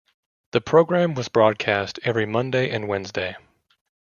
The programme was broadcast every Monday and Wednesday.